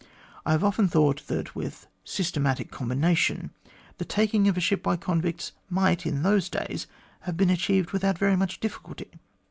I have often thought that, with systematic combination, the taking of a ship by convicts might in those days have been achieved without very much difficulty.